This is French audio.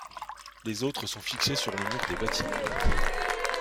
Les autres sont fixées sur les murs des bâtiments.